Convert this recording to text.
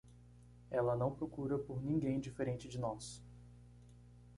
Ela não procura por ninguém diferente de nós.